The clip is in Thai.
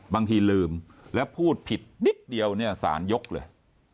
บางทีลืมแล้วพูดผิดนิดเดียวเนี่ยสารยกเลย